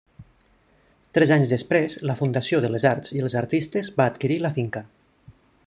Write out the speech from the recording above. Tres anys després, la Fundació de les Arts i els Artistes va adquirir la finca.